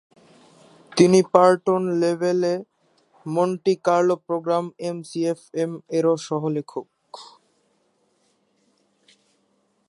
তিনি parton level Monte Carlo program এমসিএফএম-এরও সহ-লেখক।